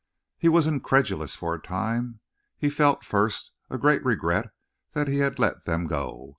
He was incredulous for a time. He felt, first, a great regret that he had let them go.